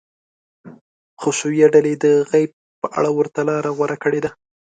حشویه ډلې د غیب په اړه ورته لاره غوره کړې ده.